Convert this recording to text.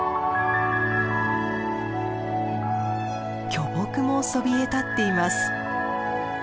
巨木もそびえ立っています。